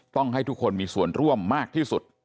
ต้องให้ทุกคนมีส่วนร่วมมากที่สุด